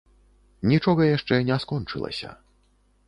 Нічога яшчэ не скончылася.